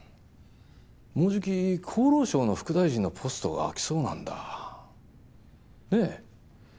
もうじき厚労省の副大臣のポストが空きそうなんだ。ねぇ？